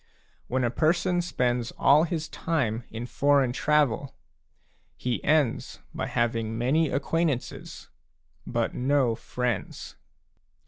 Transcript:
When a person spends all his time in foreign travel, he ends by having many acquaintances, but no friends.